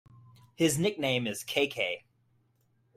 His nickname is K-K.